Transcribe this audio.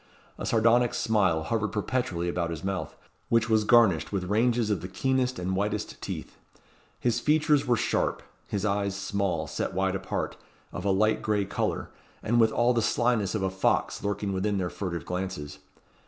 A sardonic smile hovered perpetually about his mouth, which was garnished with ranges of the keenest and whitest teeth. His features were sharp; his eyes small, set wide apart, of a light gray colour, and with all the slyness of a fox lurking within their furtive glances.